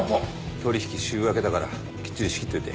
取引週明けだからきっちり仕切っといて。